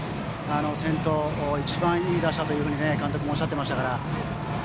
先頭を一番いい打者と監督もおっしゃっていましたから。